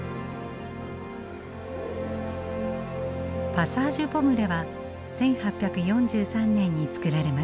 パサージュ・ポムレは１８４３年に作られました。